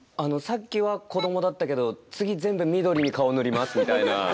さっきは子どもだったけど次全部緑に顔を塗りますみたいな。